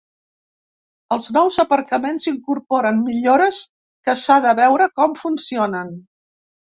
Els nous aparcaments incorporen millores que s’ha de veure com funcionen.